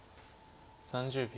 ３０秒。